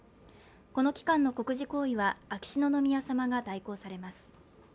この期間の国事行為は秋篠宮さまが代行されます。